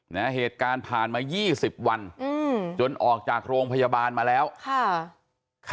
เหตุการณ์ผ่านมายี่สิบวันอืมจนออกจากโรงพยาบาลมาแล้วค่ะ